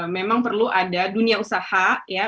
memang perlu ada dunia usaha ya